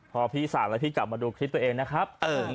พอพี่สั่งแล้วพี่กลับมาดูคลิปตัวเองนะครับ